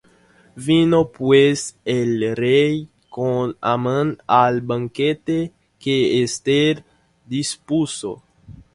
Vino pues el rey con Amán al banquete que Esther dispuso.